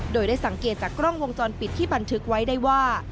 โดยได้สังเกตจากกล้องวงจรปิดที่บันทึกไว้ได้ว่า